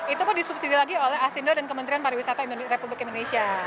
itu pun disubsidi lagi oleh asindo dan kementerian pariwisata republik indonesia